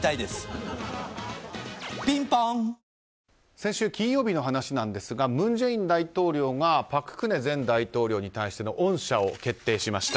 先週金曜日の話なんですが文在寅大統領が朴槿惠前大統領に対しての恩赦を決定しました。